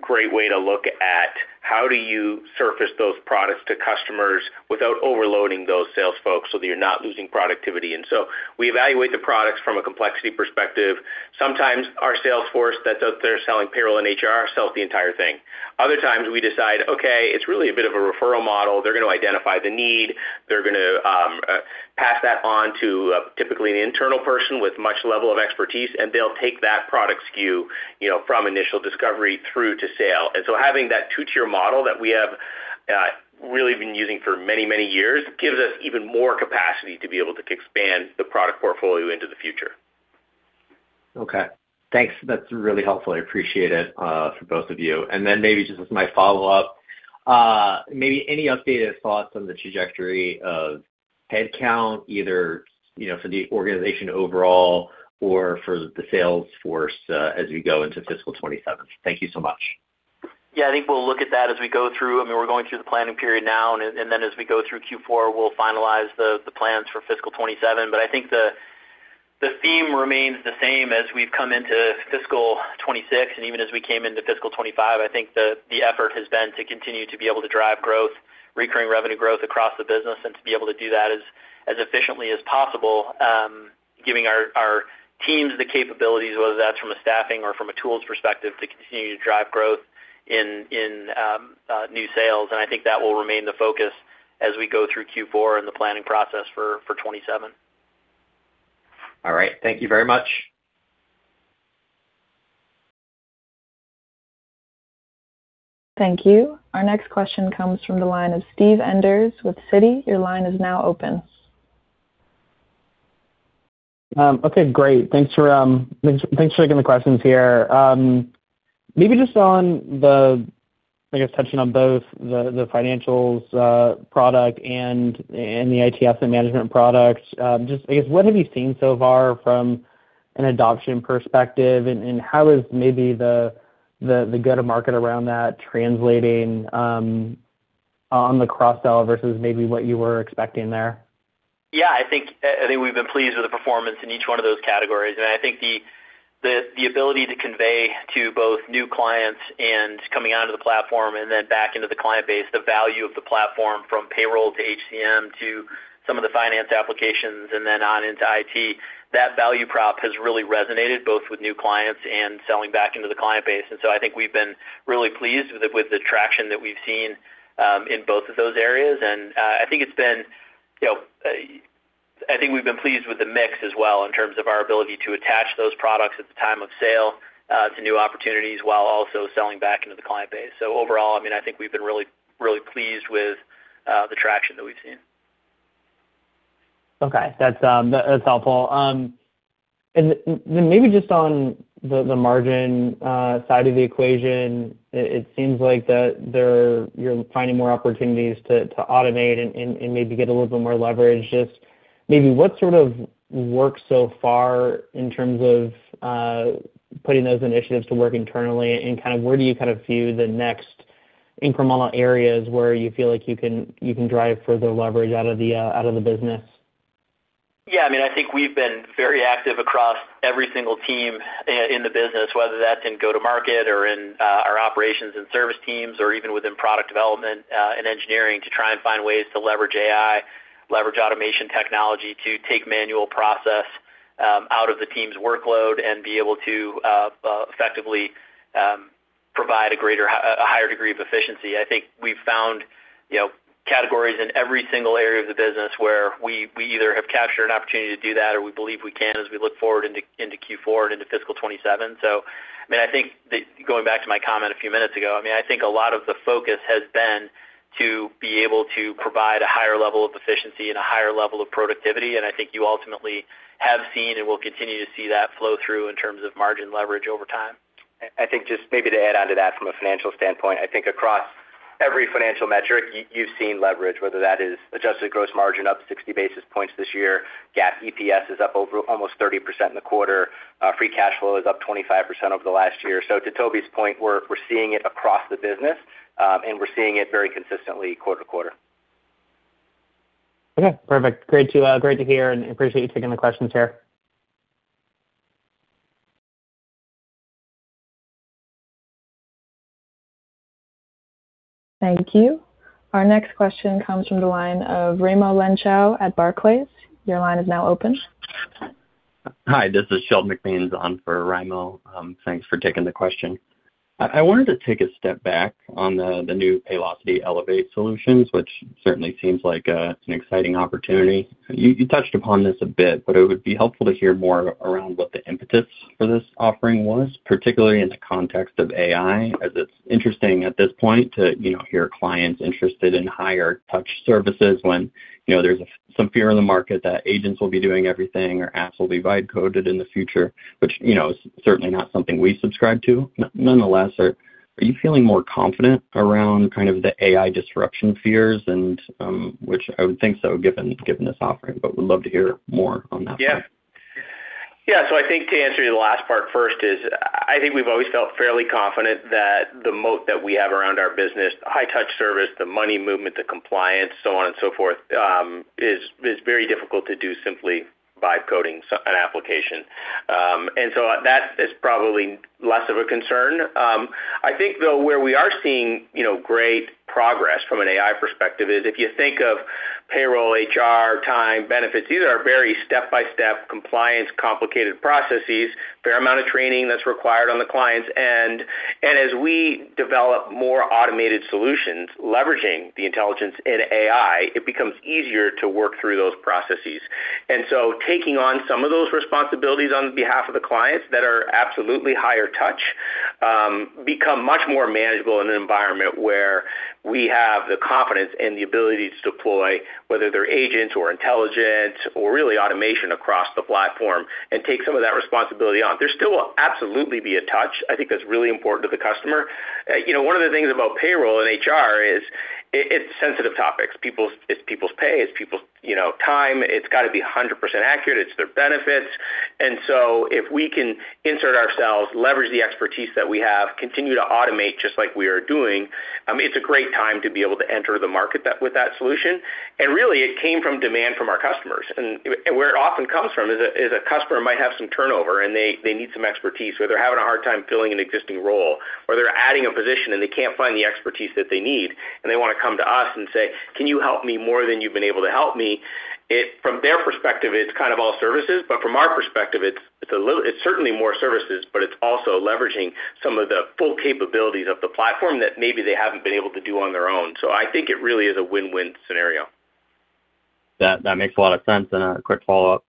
great way to look at how do you surface those products to customers without overloading those sales folks so that you're not losing productivity. We evaluate the products from a complexity perspective. Sometimes our sales force that's out there selling payroll and HR sells the entire thing. Other times we decide, okay, it's really a bit of a referral model. They're gonna identify the need. They're gonna pass that on to typically an internal person with much level of expertise, and they'll take that product SKU, you know, from initial discovery through to sale. Having that two-tier model that we have really been using for many, many years gives us even more capacity to be able to expand the product portfolio into the future. Okay. Thanks. That's really helpful. I appreciate it for both of you. Maybe just as my follow-up, maybe any updated thoughts on the trajectory of headcount either, you know, for the organization overall or for the sales force, as we go into fiscal 2027? Thank you so much. Yeah. I think we'll look at that as we go through. I mean, we're going through the planning period now, and then as we go through Q4, we'll finalize the plans for fiscal 2027. I think the theme remains the same as we've come into fiscal 2026 and even as we came into fiscal 2025. I think the effort has been to continue to be able to drive growth, recurring revenue growth across the business and to be able to do that as efficiently as possible, giving our teams the capabilities, whether that's from a staffing or from a tools perspective, to continue to drive growth in new sales. I think that will remain the focus as we go through Q4 and the planning process for 2027. All right. Thank you very much. Thank you. Our next question comes from the line of Steve Enders with Citi. Your line is now open. Okay, great. Thanks for taking the questions here. Maybe just on the, I guess, touching on both the financials product and the IT Solutions and management products, just I guess, what have you seen so far from an adoption perspective? How is maybe the, the go-to-market around that translating, on the cross-sell versus maybe what you were expecting there? Yeah. I think I think we've been pleased with the performance in each one of those categories. I think the, the ability to convey to both new clients and coming onto the platform and then back into the client base, the value of the platform from payroll to HCM to some of the Finance applications and then on into IT, that value prop has really resonated both with new clients and selling back into the client base. I think we've been really pleased with the, with the traction that we've seen in both of those areas. I think it's been, you know I think we've been pleased with the mix as well in terms of our ability to attach those products at the time of sale to new opportunities while also selling back into the client base. Overall, I mean, I think we've been really pleased with the traction that we've seen. Okay. That's, that's helpful. Then maybe just on the margin side of the equation, it seems like you're finding more opportunities to automate and maybe get a little bit more leverage. Just maybe what sort of work so far in terms of putting those initiatives to work internally and kind of where do you kind of view the next incremental areas where you feel like you can drive further leverage out of the business? Yeah. I mean, I think we've been very active across every single team in the business, whether that's in go-to-market or in our operations and service teams or even within product development and engineering to try and find ways to leverage AI, leverage automation technology to take manual process out of the team's workload and be able to effectively provide a higher degree of efficiency. I think we've found, you know, categories in every single area of the business where we either have captured an opportunity to do that or we believe we can as we look forward into Q4 and into fiscal 2027. I mean, I think, going back to my comment a few minutes ago, I mean, I think a lot of the focus has been to be able to provide a higher level of efficiency and a higher level of productivity. I think you ultimately have seen and will continue to see that flow through in terms of margin leverage over time. I think just maybe to add on to that from a financial standpoint, I think across every financial metric you've seen leverage, whether that is adjusted gross margin up 60 basis points this year, GAAP EPS is up over almost 30% in the quarter. Free cash flow is up 25% over the last year. To Toby's point, we're seeing it across the business, and we're seeing it very consistently quarter-to-quarter. Okay, perfect. Great to hear. Appreciate you taking the questions here. Thank you. Our next question comes from the line of Raimo Lenschow at Barclays. Your line is now open. Hi, this is Sheldon McMeans on for Raimo. Thanks for taking the question. I wanted to take a step back on the new Paylocity Elevate Solutions, which certainly seems like an exciting opportunity. You touched upon this a bit, but it would be helpful to hear more around what the impetus for this offering was, particularly in the context of AI, as it's interesting at this point to, you know, hear clients interested in higher touch services when, you know, there's some fear in the market that agents will be doing everything or apps will be vibe coded in the future, which, you know, is certainly not something we subscribe to. Nonetheless, are you feeling more confident around kind of the AI disruption fears and which I would think so, given this offering, but would love to hear more on that front. Yeah. Yeah. I think to answer the last part first is I think we've always felt fairly confident that the moat that we have around our business, the high touch service, the money movement, the compliance, so on and so forth, is very difficult to do simply vibe coding an application. That is probably less of a concern. I think, though, where we are seeing, you know, great progress from an AI perspective is if you think of payroll, HR, time, benefits, these are very step-by-step, compliance, complicated processes, fair amount of training that's required on the client's end. As we develop more automated solutions, leveraging the intelligence in AI, it becomes easier to work through those processes. Taking on some of those responsibilities on behalf of the clients that are absolutely higher touch, become much more manageable in an environment where we have the confidence and the ability to deploy, whether they're agents or intelligence or really automation across the platform and take some of that responsibility on. There still will absolutely be a touch. I think that's really important to the customer. You know, one of the things about payroll and HR is it's sensitive topics. It's people's pay, it's people's, you know, time. It's got to be 100% accurate. It's their benefits. If we can insert ourselves, leverage the expertise that we have, continue to automate, just like we are doing, I mean, it's a great time to be able to enter the market with that solution. Really, it came from demand from our customers. Where it often comes from is a customer might have some turnover, and they need some expertise, or they're having a hard time filling an existing role, or they're adding a position, and they can't find the expertise that they need, and they want to come to us and say, "Can you help me more than you've been able to help me?" From their perspective, it's kind of all services, but from our perspective, it's certainly more services, but it's also leveraging some of the full capabilities of the platform that maybe they haven't been able to do on their own. I think it really is a win-win scenario. That makes a lot of sense. A quick follow-up.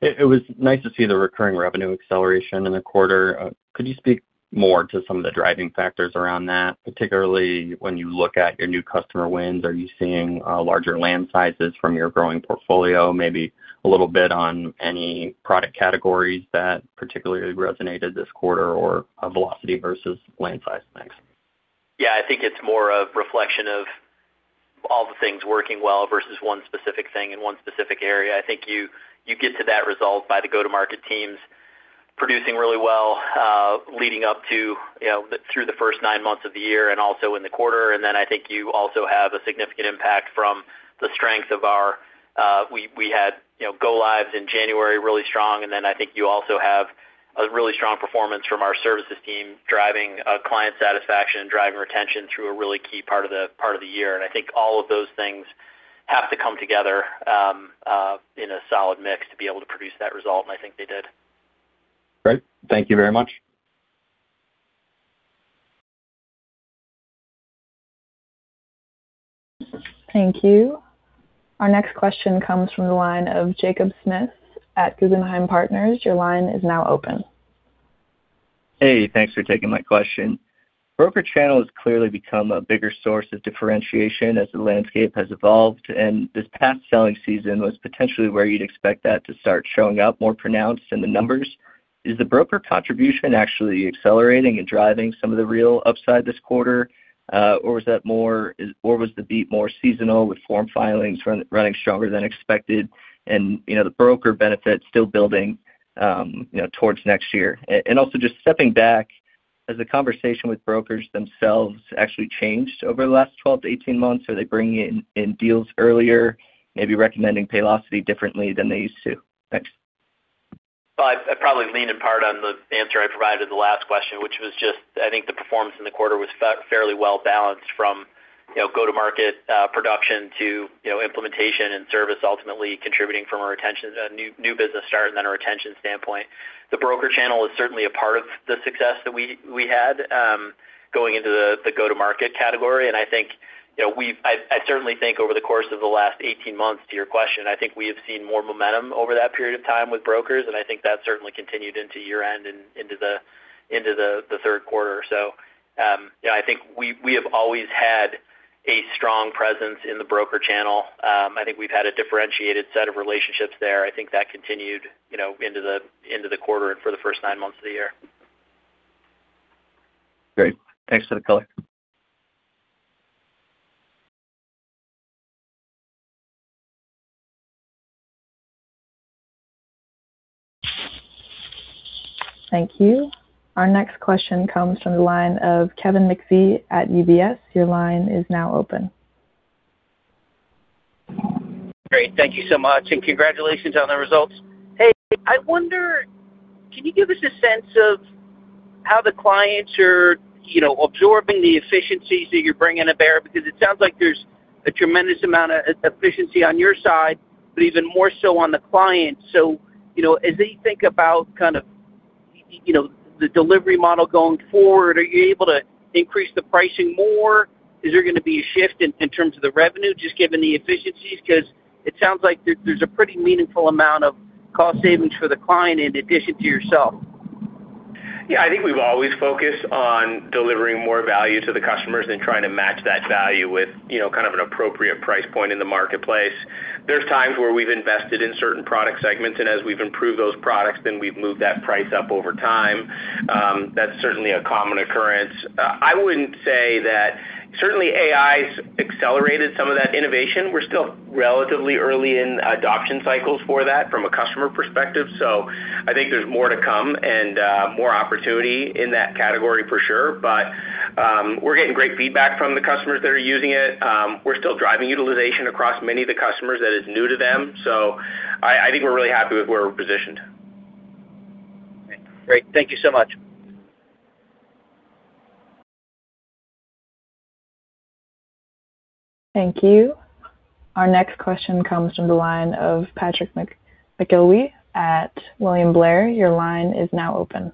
It was nice to see the recurring revenue acceleration in the quarter. Could you speak more to some of the driving factors around that, particularly when you look at your new customer wins? Are you seeing larger land sizes from your growing portfolio? Maybe a little bit on any product categories that particularly resonated this quarter or a velocity versus land size mix. Yeah. I think it's more a reflection of all the things working well versus one specific thing in one specific area. I think you get to that result by the go-to-market teams producing really well, leading up to through the first nine months of the year and also in the quarter. I think you also have a significant impact from the strength of our, we had go lives in January really strong. I think you also have a really strong performance from our services team driving client satisfaction and driving retention through a really key part of the year. I think all of those things have to come together in a solid mix to be able to produce that result, and I think they did. Great. Thank you very much. Thank you. Our next question comes from the line of Jacob Smith at Guggenheim Securities. Your line is now open. Hey, thanks for taking my question. Broker channel has clearly become a bigger source of differentiation as the landscape has evolved, and this past selling season was potentially where you'd expect that to start showing up more pronounced in the numbers. Is the broker contribution actually accelerating and driving some of the real upside this quarter? Or was the beat more seasonal with form filings running stronger than expected and, you know, the broker benefit still building, you know, towards next year? Also just stepping back, has the conversation with brokers themselves actually changed over the last 12 to 18 months? Are they bringing in deals earlier, maybe recommending Paylocity differently than they used to? Thanks. Well, I probably lean in part on the answer I provided to the last question, which was just, I think the performance in the quarter was fairly well balanced from, you know, go to market production to, you know, implementation and service ultimately contributing from our retention, new business start and then our retention standpoint. The broker channel is certainly a part of the success that we had going into the go-to-market category. I think, you know, I certainly think over the course of the last 18 months, to your question, I think we have seen more momentum over that period of time with brokers, I think that certainly continued into year-end and into the third quarter. You know, I think we have always had a strong presence in the broker channel. I think we've had a differentiated set of relationships there. I think that continued, you know, into the, into the quarter and for the first nine months of the year. Great. Thanks for the color. Thank you. Our next question comes from the line of Kevin McVeigh at UBS. Great. Thank you so much. Congratulations on the results. Hey, I wonder, can you give us a sense of how the clients are, you know, absorbing the efficiencies that you're bringing to bear? It sounds like there's a tremendous amount of efficiency on your side, but even more so on the client. You know, as they think about kind of, you know, the delivery model going forward, are you able to increase the pricing more? Is there gonna be a shift in terms of the revenue, just given the efficiencies? It sounds like there's a pretty meaningful amount of cost savings for the client in addition to yourself. I think we've always focused on delivering more value to the customers than trying to match that value with, you know, kind of an appropriate price point in the marketplace. There's times where we've invested in certain product segments, and as we've improved those products, then we've moved that price up over time. That's certainly a common occurrence. I wouldn't say that Certainly AI's accelerated some of that innovation. We're still relatively early in adoption cycles for that from a customer perspective. I think there's more to come and more opportunity in that category for sure. We're getting great feedback from the customers that are using it. We're still driving utilization across many of the customers that is new to them. I think we're really happy with where we're positioned. Great. Thank you so much. Thank you. Our next question comes from the line of Patrick McIlwee at William Blair. Your line is now open.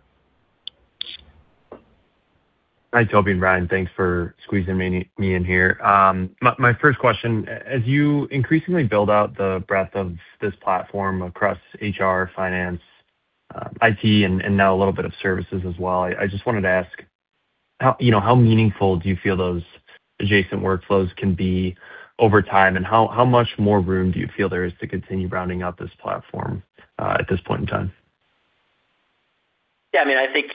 Hi, Toby and Ryan. Thanks for squeezing me in here. My first question, as you increasingly build out the breadth of this platform across HR, Finance, IT, and now a little bit of services as well, I just wanted to ask, how, you know, how meaningful do you feel those adjacent workflows can be over time, and how much more room do you feel there is to continue rounding out this platform at this point in time? Yeah, I mean, I think,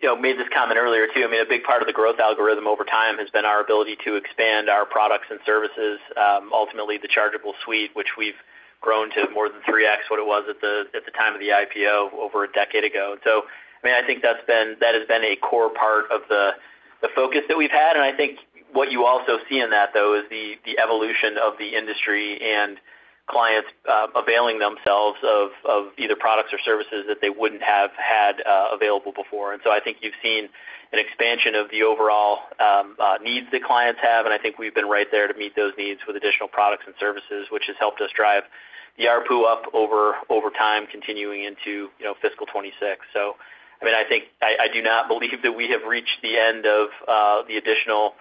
you know, made this comment earlier too. I mean, a big part of the growth algorithm over time has been our ability to expand our products and services, ultimately the chargeable suite, which we've grown to more than 3x what it was at the, at the time of the IPO over a decade ago. I mean, I think that has been a core part of the focus that we've had. I think what you also see in that, though, is the evolution of the industry and clients, availing themselves of either products or services that they wouldn't have had, available before. I think you've seen an expansion of the overall needs that clients have, and I think we've been right there to meet those needs with additional products and services, which has helped us drive the ARPU up over time, continuing into, you know, fiscal 2026. I mean, I think I do not believe that we have reached the end of the additional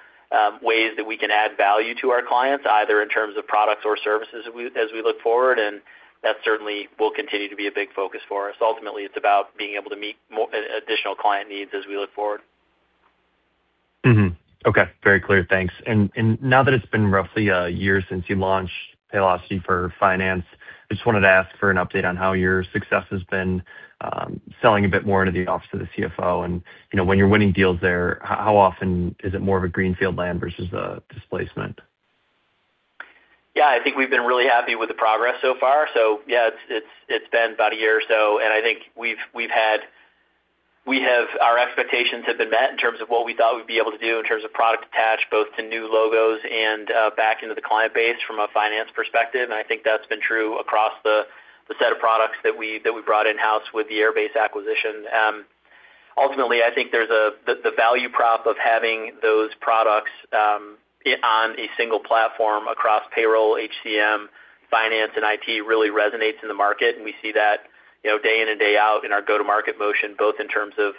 ways that we can add value to our clients, either in terms of products or services as we look forward, and that certainly will continue to be a big focus for us. Ultimately, it's about being able to meet additional client needs as we look forward. Okay. Very clear. Thanks. Now that it's been roughly a year since you launched Paylocity for Finance, I just wanted to ask for an update on how your success has been selling a bit more into the office of the CFO. You know, when you're winning deals there, how often is it more of a greenfield land versus a displacement? I think we've been really happy with the progress so far. It's been about a year or so, and I think we have our expectations have been met in terms of what we thought we'd be able to do in terms of product attach, both to new logos and, back into the client base from a Finance perspective. And I think that's been true across the set of products that we, that we brought in-house with the Airbase acquisition. Ultimately, I think there's the value prop of having those products, on a single platform across payroll, HCM, Finance, and IT really resonates in the market. We see that, you know, day in and day out in our go-to-market motion, both in terms of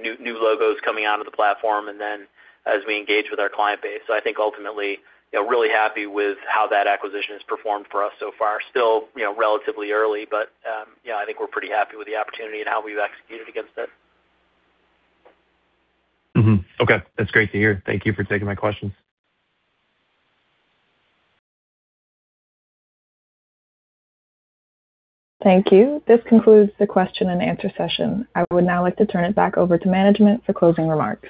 new logos coming onto the platform and then as we engage with our client base. I think ultimately, you know, really happy with how that acquisition has performed for us so far. Still, you know, relatively early, but, yeah, I think we're pretty happy with the opportunity and how we've executed against it. Okay. That's great to hear. Thank you for taking my questions. Thank you. This concludes the question and answer session. I would now like to turn it back over to management for closing remarks.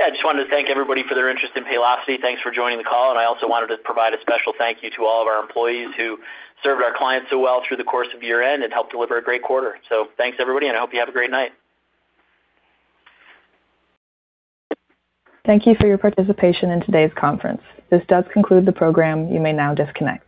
Yeah, I just wanted to thank everybody for their interest in Paylocity. Thanks for joining the call, and I also wanted to provide a special thank you to all of our employees who served our clients so well through the course of year-end and helped deliver a great quarter. Thanks, everybody, and I hope you have a great night. Thank you for your participation in today's conference. This does conclude the program. You may now disconnect.